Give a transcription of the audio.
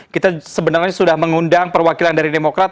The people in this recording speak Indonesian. kita sebenarnya sudah mengundang perwakilan dari demokrat